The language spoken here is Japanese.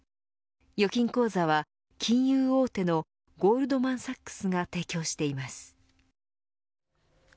預金口座は、金融大手のゴールドマン・サックスが提供しています。